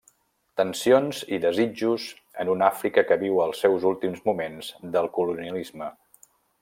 Tensions i desitjos en una Àfrica que viu els seus últims moments del colonialisme.